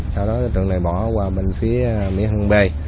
sau đó đối tượng này bỏ qua bên phía miễn hương b